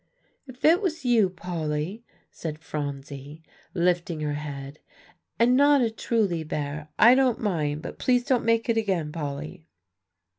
"If it was you, Polly," said Phronsie, lifting her head, "and not a truly bear, I don't mind. But please don't make it again, Polly."